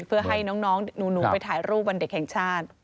เพื่อให้น้องหนูไปถ่ายรูปวันเด็กแห่งชาติ